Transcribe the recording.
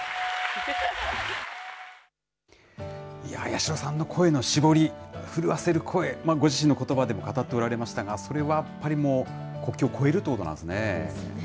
八代さんの声のしぼり、震わせる声、ご自身のことばでも語っておられましたが、それはやっぱり国境を越えるということなんですね。ですよね。